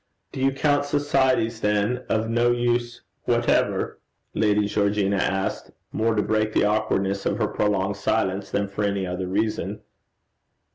'Do you count societies, then, of no use whatever?' Lady Georgina asked, more to break the awkwardness of her prolonged silence than for any other reason.